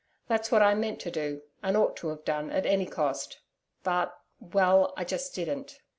That's what I meant to do and ought to have done at any cost. But well I just didn't.